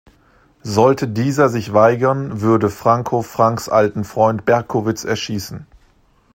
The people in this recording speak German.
Sollte dieser sich weigern, würde Franco Franks alten Freund Berkowitz erschießen.